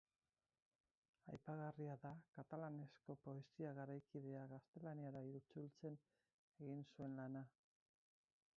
Aipagarria da katalanezko poesia garaikidea gaztelaniara itzultzen egin zuen lana.